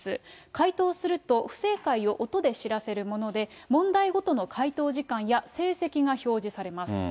回答すると不正解を音で知らせるもので、問題ごとの回答時間や成績が表示されます。